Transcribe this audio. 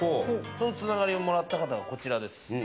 その繋がりをもらった方がこちらです